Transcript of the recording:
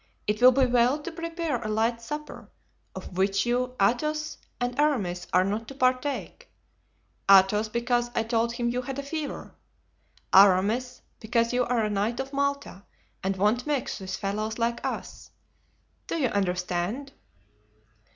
It will be well to prepare a light supper, of which you, Athos and Aramis, are not to partake—Athos, because I told him you had a fever; Aramis, because you are a knight of Malta and won't mix with fellows like us. Do you understand?"